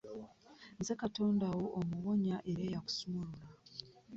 Nze Katonda wo omuwonya era eya kusumulula.